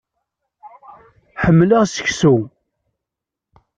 Ḥemmleɣ seku.